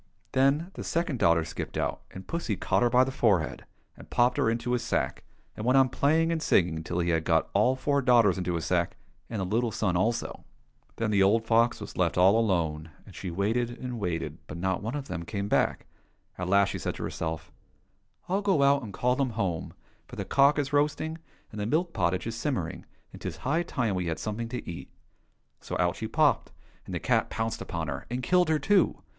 Then the second daughter skipped out, and pussy caught her by the forehead, and popped her into his sack, and went on playing and singing till he had got all four daughters into his sack, and the little son also. r"^' Then the old fox was left all alone, and she waited N 193 COSSACK FAIRY TALES and waited, but not one of them came back. At last she said to herself, " I'll go out and call them home, for the cock is roasting, and the milk pottage is sim mering, and *tis high time we had something to eat." So out she popped, and the cat pounced upon her, and killed her too.